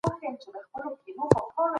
عزتمن ژوند یوازي د مېړنیو حق دی.